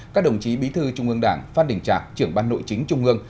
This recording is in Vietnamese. các đồng chí bí thư trung ương đảng phát đình trạc trưởng ban nội chính trung ương